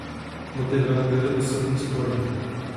Motivem byly osobní spory.